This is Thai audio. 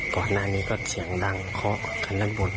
ก่อนหน้านี้ก็เสียงดังเคาะกันด้านบน